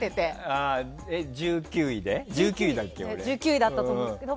１９位だったと思います。